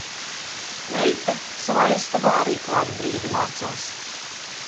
Meita savā istabā arī kādu brīdi mācās.